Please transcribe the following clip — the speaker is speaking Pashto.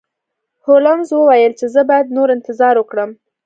هولمز وویل چې زه باید نور انتظار وکړم.